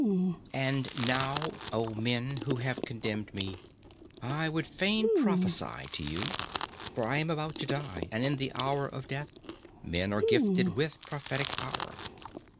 And now, O men who have condemned me, I would fain prophesy to you; for I am about to die, and in the hour of death men are gifted with prophetic power.